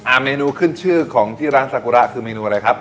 เมนูขึ้นชื่อของที่ร้านซากุระคือเมนูอะไรครับ